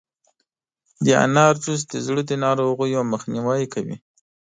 د انار جوس د زړه د ناروغیو مخنیوی کوي.